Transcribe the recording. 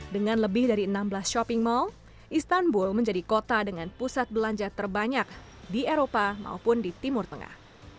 dengan lebih dari enam belas shopping mall istanbul menjadi kota dengan pusat belanja terbanyak di eropa maupun di timur tengah